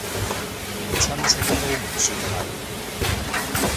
連親戚都唔算係